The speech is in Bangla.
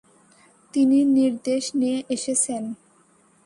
তিনি নির্দেশ নিয়ে এসেছেন।